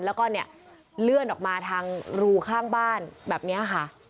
แล้วก็เนี่ยเลื่อนออกมาทางรูข้างบ้านแบบนี้ค่ะ